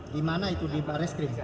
dimana itu di bareskrim